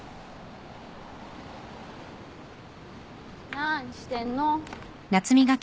・何してんの？